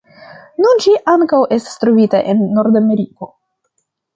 Nun ĝi ankaŭ estas trovita en Nordameriko.